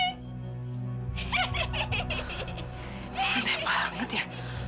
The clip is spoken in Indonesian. keren banget ya